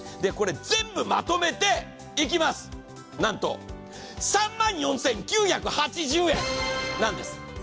全部まとめていきます、なんと３万４９８０円なんです。